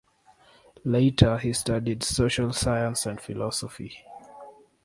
Later he studied social science and philosophy.